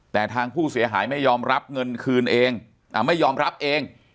แต่ทางผู้เสียหายไม่ยอมรับเงินคืนเองไม่ยอมรับเอง